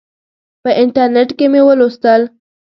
په انټرنیټ کې مې ولوستل.